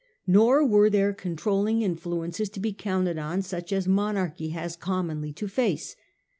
Nor were there control ling influences to be counted on such as monarchy has without commonly to face.